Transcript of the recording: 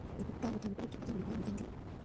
এটি ভুট্টা ও তামাকের একটি প্রধান বিপণন কেন্দ্র।